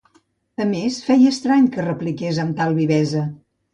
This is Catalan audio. A més, feia estrany que repliqués amb tal vivesa.